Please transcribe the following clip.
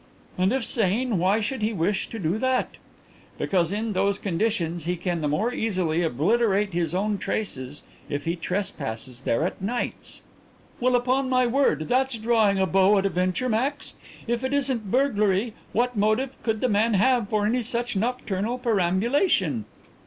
"And, if sane, why should he wish to do that?" "Because in those conditions he can the more easily obliterate his own traces if he trespasses there at nights." "Well, upon my word, that's drawing a bow at a venture, Max. If it isn't burglary, what motive could the man have for any such nocturnal perambulation?"